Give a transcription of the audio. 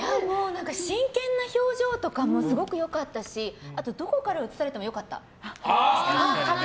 真剣な表情とかもすごく良かったしどこから映されてもよかった。